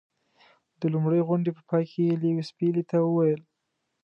د لومړۍ غونډې په پای کې یې لیویس پیلي ته وویل.